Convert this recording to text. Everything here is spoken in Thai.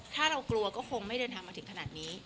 ถ้าเรากลัวก็คงไม่เดินทางมาถึงขนาดนี้